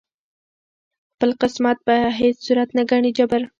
خپل قسمت په هیڅ صورت نه ګڼي جبر